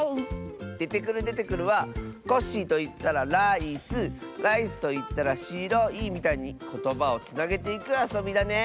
「デテクルデテクル」は「コッシーといったらライスライスといったらしろい」みたいにことばをつなげていくあそびだね！